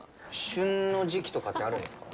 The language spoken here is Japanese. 旬の時期とかってあるんですか。